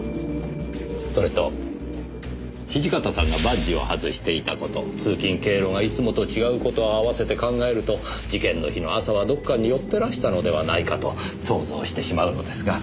それと土方さんがバッジを外していた事通勤経路がいつもと違う事を併せて考えると事件の日の朝はどこかに寄ってらしたのではないかと想像してしまうのですが。